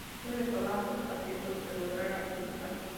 Solo le pagaban por los artículos que lograra publicar.